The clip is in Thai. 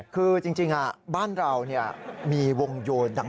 คือจริงบ้านเรามีวงโยนดัง